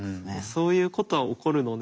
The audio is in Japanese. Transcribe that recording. そういうことは起こるので。